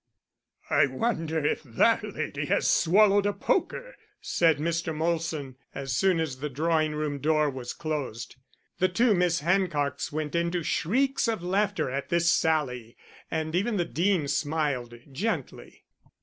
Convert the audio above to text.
"I wonder if that lady has swallowed a poker," said Mr. Molson, as soon as the drawing room door was closed. The two Miss Hancocks went into shrieks of laughter at this sally, and even the Dean smiled gently.